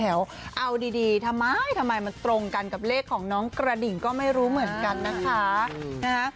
เอาดีทำไมทำไมมันตรงกันกับเลขของน้องกระดิ่งก็ไม่รู้เหมือนกันนะคะ